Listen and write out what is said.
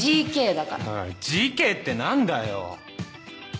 だからＧＫって何だよ？